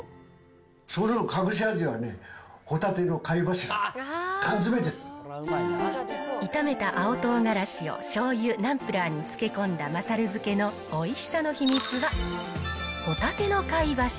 その隠し味はね、炒めた青唐辛子をしょうゆ、ナンプラーに漬け込んだまさる漬けのおいしさの秘密は、ほたての貝柱。